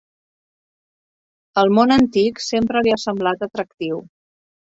El món antic sempre li ha semblat atractiu.